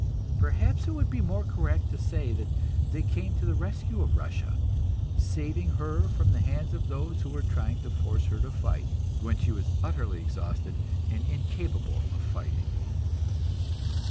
Perhaps it would be more correct to say that they came to the rescue of Russia, saving her from the hands of those who were trying to force her to fight, when she was utterly exhausted and incapable of fighting.